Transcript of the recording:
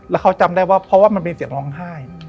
แล้วเขาจำได้ว่าเพราะว่ามันเป็นเสียงร้องไห้